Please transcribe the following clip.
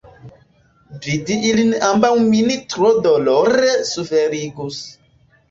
Vidi ilin ambaŭ min tro dolore suferigus.